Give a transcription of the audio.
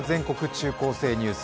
中高生ニュース」。